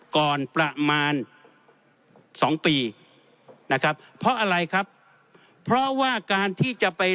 ก่อนประมาณสองปีนะครับเพราะอะไรครับเพราะว่าการที่จะไป